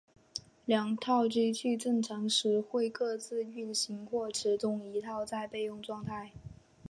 两套机器正常时会各自运作或其中一套在备用状态。